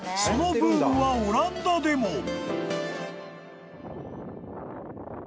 ［そのブームはオランダでも］